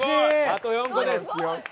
あと４個です。